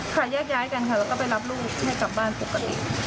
แยกย้ายกันค่ะแล้วก็ไปรับลูกให้กลับบ้านปกติ